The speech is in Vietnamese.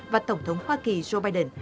và tổng thống hoa kỳ joe biden